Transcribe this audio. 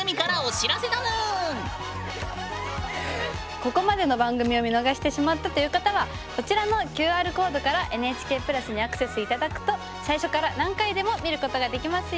ここまでの番組を見逃してしまったという方はこちらのＱＲコードからＮＨＫプラスにアクセス頂くと最初から何回でも見ることができますよ。